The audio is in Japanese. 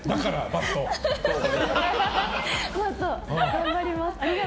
頑張ります。